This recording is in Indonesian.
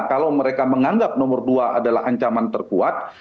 kalau mereka menganggap nomor dua adalah ancaman terkuat